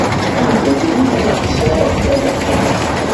Amdakel ur lliɣ sɛiɣ-t ala Kamal.